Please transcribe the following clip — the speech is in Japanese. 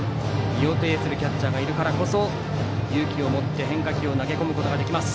身をていするキャッチャーがいるからこそ勇気を持って変化球を投げ込むことができます。